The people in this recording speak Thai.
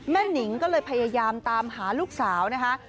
หนิงก็เลยพยายามตามหาลูกสาวนะคะ